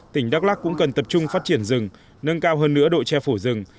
tỉnh đắk lắc cũng cần tập trung phát triển rừng nâng cao hơn nữa đội che phủ rừng